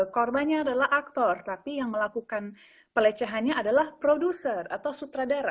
korbannya adalah aktor tapi yang melakukan pelecehannya adalah produser atau sutradara